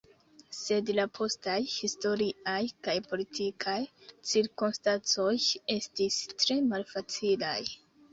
Sed la postaj historiaj kaj politikaj cirkonstancoj estis tre malfacilaj.